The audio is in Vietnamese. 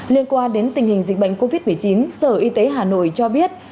liên quan đến tình hình dịch bệnh covid một mươi chín sở y tế hà nội cho biết